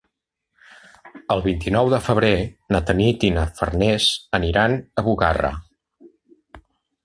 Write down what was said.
El vint-i-nou de febrer na Tanit i na Farners aniran a Bugarra.